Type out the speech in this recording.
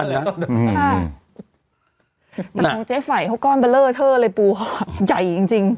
แต่ของเจ๊ไฝ่เขาก้อนเบลอเทอร์เลยปูเขาใหญ่จริง